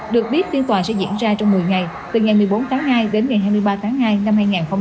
được biết phiên tòa sẽ diễn ra trong một mươi ngày từ ngày một mươi bốn tháng hai đến ngày hai mươi ba tháng hai năm hai nghìn hai mươi